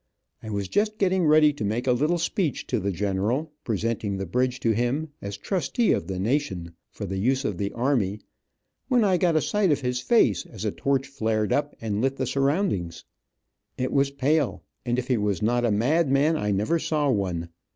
I was just getting ready to make a little speech to the general, presenting the bridge to him, as trustee of the nation, for the use of the army, when I got a sight of his face, as a torch flared up and lit the surroundings. It was pale, and if he was not a madman, I never saw one.